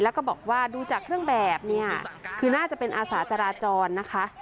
แล้วก็บอกว่าดูจากเครื่องแบบเนี่ยคือน่าจะเป็นอาสาจราจรนะคะ